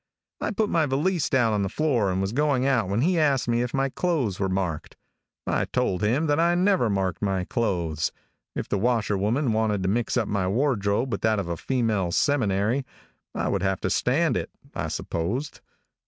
I put my valise down on the floor and was going out, when he asked me if my clothes were marked. I told him that I never marked my clothes. If the washerwoman wanted to mix up my wardrobe with that of a female seminary, I would have to stand it, I supposed.